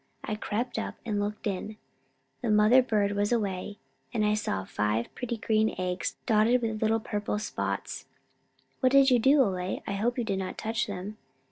I crept up and looked in. The mother bird was away, and I saw five pretty green eggs dotted with little purple spots." "What did you do, Ole? I hope you did not touch them."